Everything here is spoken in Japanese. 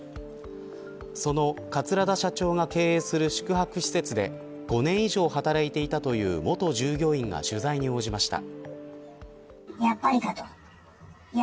その桂田社長が経営する宿泊施設で５年以上働いていたという元従業員が取材に応じました。